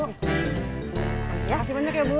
masih banyak ya bu